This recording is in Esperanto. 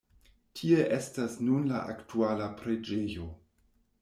Tie estas nun la aktuala preĝejo.